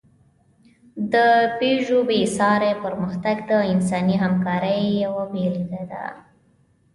د پيژو بېساری پرمختګ د انساني همکارۍ یوه بېلګه ده.